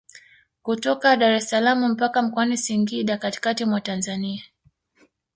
Kutoka Daressalaam mpaka Mkoani Singida katikati mwa Tanzania